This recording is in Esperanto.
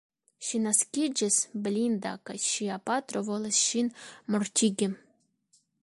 Ŝi naskiĝis blinda kaj ŝia patro volas ŝin mortigi.